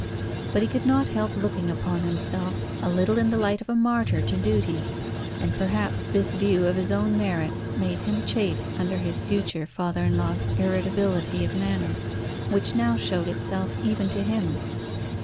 But he could not help looking upon himself a little in the light of a martyr to duty; and perhaps this view of his own merits made him chafe under his future father in law's irritability of manner, which now showed itself even to him.